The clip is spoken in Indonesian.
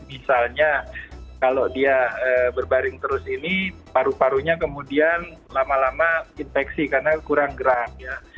misalnya kalau dia berbaring terus ini paru parunya kemudian lama lama infeksi karena kurang gerak ya